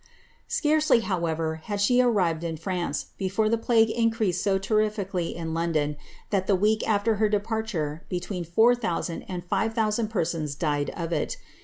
Scarcely, however, had she arrived in France, before the plague in creased so terrifically in London, tliat the week after her departure be tween 4000 and 5000 persons died of it.